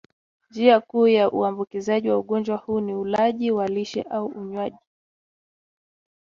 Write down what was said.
Njia kuu ya uambukizaji wa ugonjwa huu ni ulaji wa lishe au unywaji